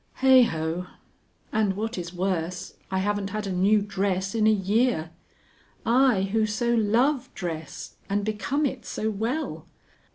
Heigho! and, what is worse, I haven't had a new dress in a year; I who so love dress, and become it so well!